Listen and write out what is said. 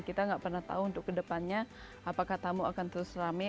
kita nggak pernah tahu untuk kedepannya apakah tamu akan terus rame